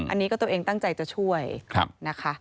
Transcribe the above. อันนี้ก็ตัวเองตั้งใจจะช่วยนะคะ